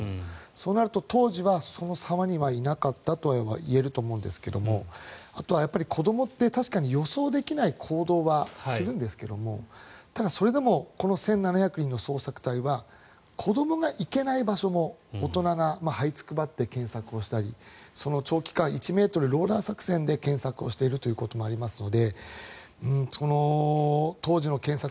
そうなると当時はその沢にはいなかったとは言えると思いますがあとは、子どもって確かに予想できない行動はするんですけどもただ、それでもこの１７００人の捜索隊は子どもが行けない場所も大人がはいつくばって検索をしたり長期間、１ｍ、ローラー作戦で検索しているということもありますのでこの当時の検索